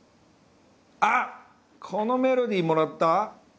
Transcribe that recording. あっこのメロディーもらった？